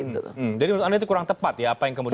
jadi menurut anda itu kurang tepat ya apa yang kemudian